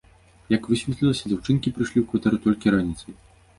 Як высветлілася, дзяўчынкі прыйшлі ў кватэру толькі раніцай.